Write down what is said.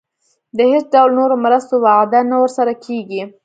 د هیڅ ډول نورو مرستو وعده نه ورسره کېږي.